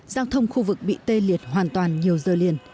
giao thông khu vực bị tê liệt hoàn toàn nhiều giờ liền